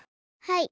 はい。